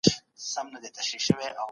د دلارام سیند اوبه د سړکونو تر غاړه بهېږي